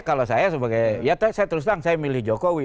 kalau saya sebagai ya saya terus terang saya milih jokowi